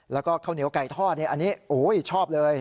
แล้วก็ข้าวเหนียวไก่ทอดอันนี้ชอบเลย